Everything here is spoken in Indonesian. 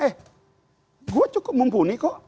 eh gue cukup mumpuni kok